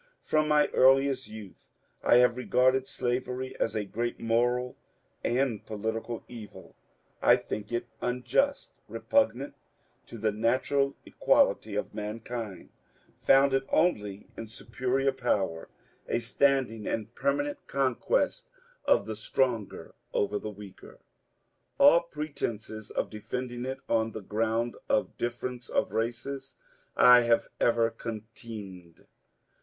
From my earliest youth I have re^rded slavery as a great moral and political evil. I think it unjust, repugnant to the natural equality of mankind, founded only in superior power, a standing and permanent conquest of the stronger over the weaker. All pretences of defending it on the ground of difference of races I have ever contemned.